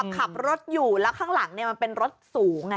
ขับรถอยู่แล้วข้างหลังมันเป็นรถสูง